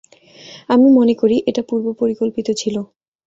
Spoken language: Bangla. আমি মনে করি এটা পূর্বপরিকল্পিত ছিলো।